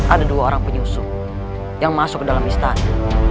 ada dua orang penyusu yang masuk ke dalam istana